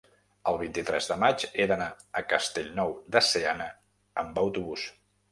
el vint-i-tres de maig he d'anar a Castellnou de Seana amb autobús.